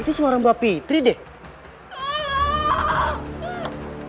itu suara mbak fitri deh